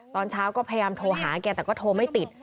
ตอนเช้าก็พยายามโทรหาแกแต่ก็โทรไม่ติด